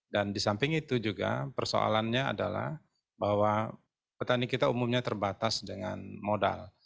dan di samping itu juga persoalannya adalah bahwa petani kita umumnya terbatas dengan modal